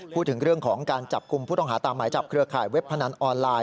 พูดถึงเรื่องของการจับกลุ่มผู้ต้องหาตามหมายจับเครือข่ายเว็บพนันออนไลน